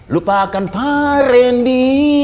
lupakan pak rendy